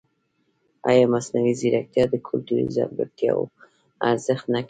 ایا مصنوعي ځیرکتیا د کلتوري ځانګړتیاوو ارزښت نه کموي؟